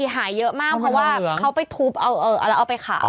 หายเยอะมากเพราะว่าเขาไปทุบเอาแล้วเอาไปขาย